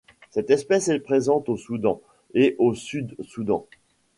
Cette espèce est présente au Soudan et au Sud-Soudan.